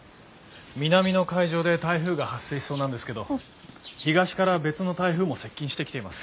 南の海上で台風が発生しそうなんですけど東から別の台風も接近してきています。